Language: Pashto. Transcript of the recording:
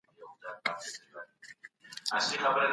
تاريکي پېړۍ د جهالت وخت و.